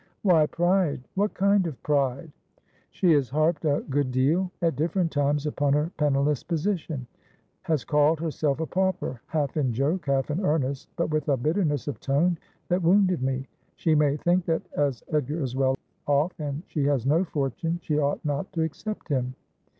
' Why pride ? What kind of pride ?'' She has harped a good deal, at different times, upon her penniless position ; has called herself a pauper, half in joke, half in earnest, but with a bitterness of tone that wounded me. She may think that as Edgar is well off, and she has no fortune, she ought not to accept him.